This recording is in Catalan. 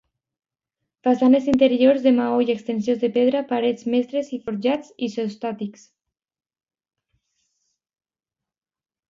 Façanes interiors de maó i exteriors de pedra, parets mestres i forjats isostàtics.